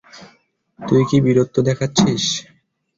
তুই কি বীরত্ব দেখাচ্ছিস?